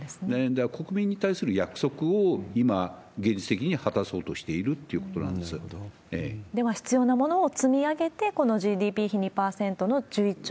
国民に対する約束を今現実的に果たそうとしてるってことなんでは、必要なものを積み上げて、このＧＤＰ比２％の１１兆円にという。